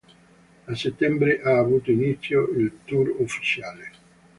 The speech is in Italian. A Settembre ha avuto inizio il tour ufficiale.